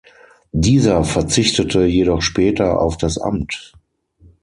Dieser verzichtete jedoch später auf das Amt.